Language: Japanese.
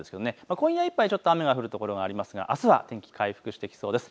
今夜いっぱい雨降る所ありますがあすは回復してきそうです。